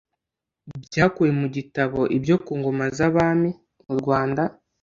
Byakuwe mu gitabo Ibyo ku ingoma z' abami u Rwanda